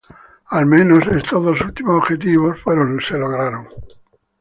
Al menos, estos dos últimos objetivos fueron logrados.